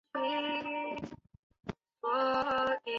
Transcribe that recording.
毕苏斯基在其政治生涯前期是波兰社会党的领导人。